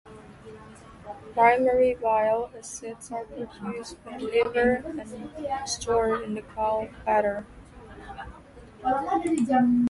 Primary bile acids are produced by the liver and stored in the gall bladder.